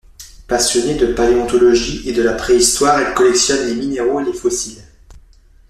Passionnée de paléontologie et de la préhistoire, elle collectionne les minéraux et les fossiles.